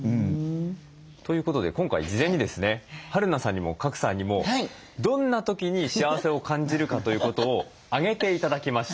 ということで今回事前にですねはるなさんにも賀来さんにもどんな時に幸せを感じるかということを挙げて頂きました。